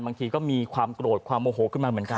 บางทีก็มีความโกรธความโมโหขึ้นมาเหมือนกัน